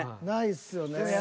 ないっすよね。